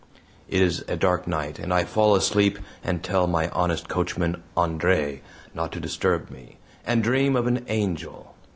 It is a dark night, and I fall asleep and tell my honest coachman, Andre, not to disturb me, and dream of an angel.